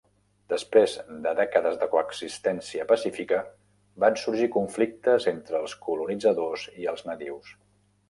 Després de dècades de coexistència pacífica, van sorgir conflictes entre els colonitzadors i els nadius.